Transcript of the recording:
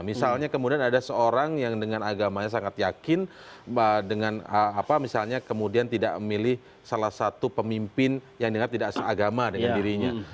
misalnya kemudian ada seorang yang dengan agamanya sangat yakin dengan apa misalnya kemudian tidak memilih salah satu pemimpin yang dengar tidak seagama dengan dirinya